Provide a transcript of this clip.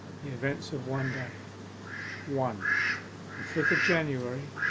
THE EVENTS OF ONE DAY 1. THE FIFTH OF JANUARY.